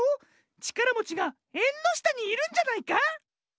ちからもちがえんのしたにいるんじゃないか？